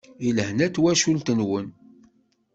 I lehna n twacult-nwen.